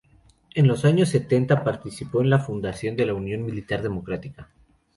En los años setenta participó en la fundación de la Unión Militar Democrática.